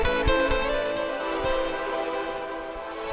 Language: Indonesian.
mengisi keseluruhan pada apa